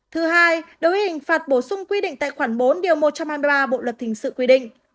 thứ hai đối với hình phạt bổ sung quy định tại khoản bốn điều một trăm hai mươi ba bộ luật hình sự quy định